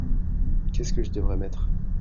Qu'est-ce que je devrais mettre ?